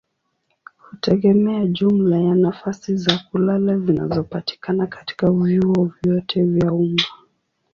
hutegemea jumla ya nafasi za kulala zinazopatikana katika vyuo vyote vya umma.